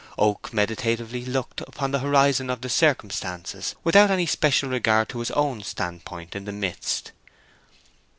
Oak meditatively looked upon the horizon of circumstances without any special regard to his own standpoint in the midst.